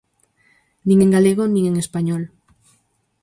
Nin en galego, nin en español.